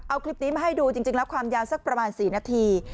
เอาคลิปนี้มาให้ดูจริงแล้วความยาวสักประมาณ๔นาที